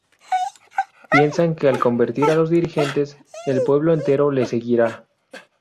Piensan que al convertir a los dirigentes, el pueblo entero les seguirá.